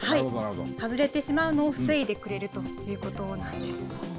外れてしまうのを防いでくれるということなんです。